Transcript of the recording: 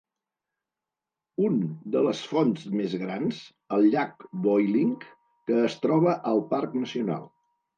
Un de les fonts més grans, el Llac Boiling, que es troba al parc nacional.